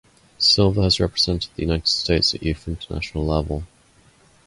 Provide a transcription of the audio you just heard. Silva has represented the United States at youth international level.